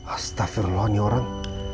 astagfirullah ini orang